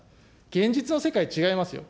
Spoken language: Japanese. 現実の世界違いますよ。